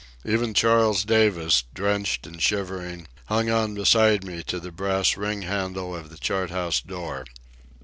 Even Charles Davis, drenched and shivering, hung on beside me to the brass ring handle of the chart house door.